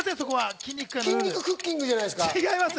筋肉クッキングじゃないですか？